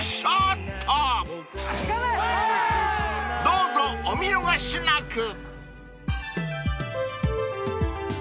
［どうぞお見逃しなく！］